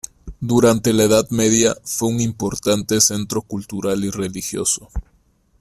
Durante la Edad Media fue un importante centro cultural y religioso.